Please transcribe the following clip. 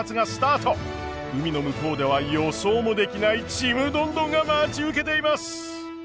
海の向こうでは予想もできないちむどんどんが待ち受けています。